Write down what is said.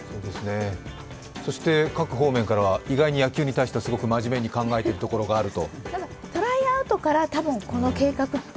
そして各方面からは、意外に野球に対してはすごくまじめに考えているところがあると。